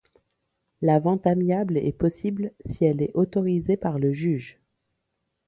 La vente amiable est possible si elle est autorisée par le juge.